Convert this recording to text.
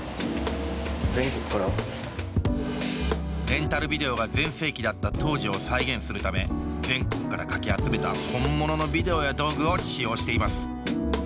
レンタルビデオが全盛期だった当時を再現するため全国からかき集めた本物のビデオや道具を使用しています。